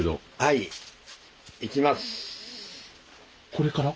これから？